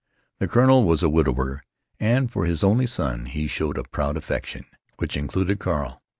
The colonel was a widower, and for his only son he showed a proud affection which included Carl.